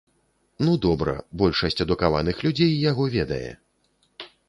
Ну, добра, большасць адукаваных людзей яго ведае.